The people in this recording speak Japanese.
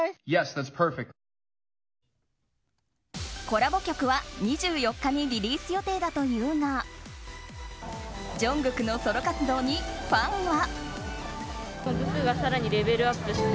コラボ曲は２４日にリリース予定だというがジョングクのソロ活動にファンは。